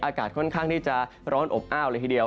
อากาศค่อนข้างที่จะร้อนอบอ้าวเลยทีเดียว